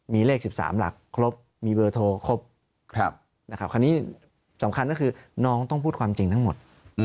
มีเลข๑๓หลักครบมีเบอร์โทรครบนะครับคราวนี้สำคัญก็คือน้องต้องพูดความจริงทั้งหมด